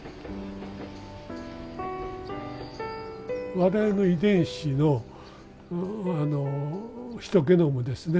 我々の遺伝子のあのヒトゲノムですね。